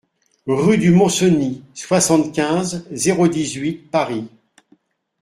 RUE DU MONT CENIS, soixante-quinze, zéro dix-huit Paris